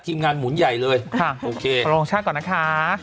ทีมงานหมุนใหญ่เลยโอเคค่ะโลกชาติก่อนนะคะ